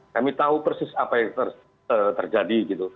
kami tahu persis apa yang terjadi gitu